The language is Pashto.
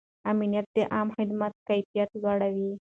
امنیت د عامه خدمتونو کیفیت لوړوي.